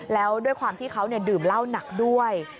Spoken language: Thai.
แล้วด้วยความที่เขาดื่มเหล้าหนักด้วย